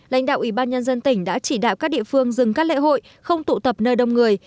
lãnh đạo ủy ban nhân dân tỉnh đã chỉ đạo các địa phương dừng các lễ hội không tụ tập nơi đông người